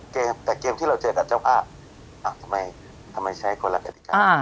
เกมแต่เกมที่เราเจอกับเจ้าภาพทำไมใช้คนละกฎิกา